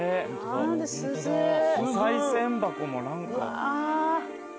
お賽銭箱も何か。